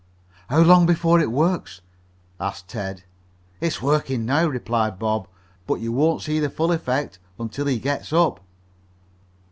"How long before it works?" asked Ted. "It's working now," replied Bob, "but you won't see the full effect until he gets up."